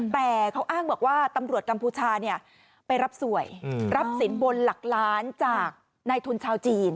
แต่เขาอ้างบอกว่าตำรวจกัมพูชาไปรับสวยรับสินบนหลักล้านจากในทุนชาวจีน